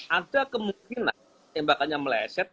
ada kemungkinan tembakannya meleset